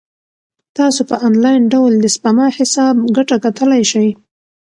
تاسو په انلاین ډول د سپما حساب ګټه کتلای شئ.